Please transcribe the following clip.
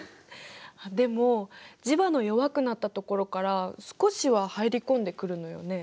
でも磁場の弱くなったところから少しは入り込んでくるのよね。